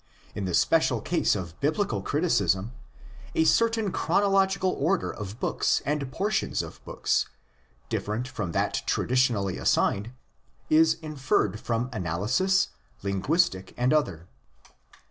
In the special case of Biblical criticism, a certain chronological order of books and portions of books, different from that tradi tionally assigned, is inferred from analysis, linguistic and other.